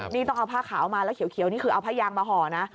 นี่ต้องเอาผ้าขาวมาแล้วเขียวนี่คือเอาผ้ายางมาห่อนะ